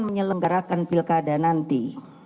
menyelenggarakan pilkada nanti